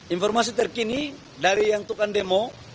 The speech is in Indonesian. informasi terkini dari yang tukang demo